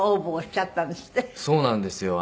そうなんですよ